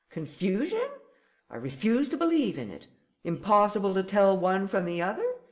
Confusion? I refuse to believe in it. Impossible to tell one from the other?